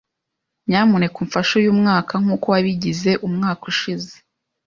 Nyamuneka umfashe uyu mwaka nkuko wabigize umwaka ushize.